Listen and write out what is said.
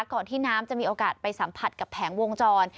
ที่น้ำจะมีโอกาสไปสัมผัสกับแผงวงจร